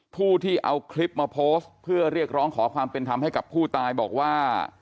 ผู้ที่เอาคลิปมาโพสต์เพื่อเรียกร้องขอความเป็นธรรมให้กับผู้ตายบอกว่า